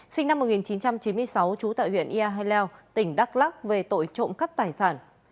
sinh năm một nghìn chín trăm chín mươi sáu trú tại huyện ia hai leo tỉnh đắk lắc về tội trộm cắp tài sản